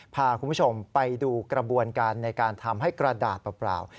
พาคุณผู้ชมไปดูกระบวนการในการทำให้กระดาษเปล่า